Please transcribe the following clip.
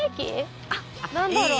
何だろう？